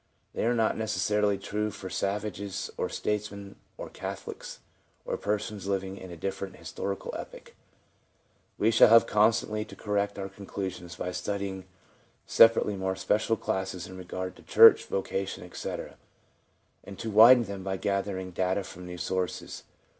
They are not necessarily true for savages or statesmen or Catholics or persons living in a different historical epoch. We shall have constantly to correct our conclusions by studying separately more special classes in regard to church, vocation, etc., and to widen them by gathering data from new sources.